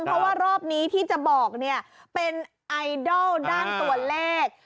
เพราะว่ารอบนี้ที่จะบอกเนี่ยเป็นไอดอลด้านตัวเลข